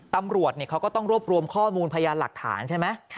ตำรวจเขาก็ต้องรวบรวมข้อมูลพยานหลักฐานใช่ไหม